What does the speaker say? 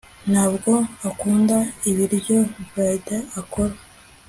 Ntabwo akunda ibiryo Bríd akora